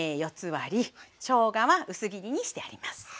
割りしょうがは薄切りにしてあります。